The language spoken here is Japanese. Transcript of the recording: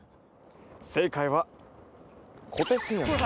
正解は小手伸也さん。